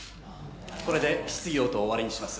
これで質疑応答を終わりにします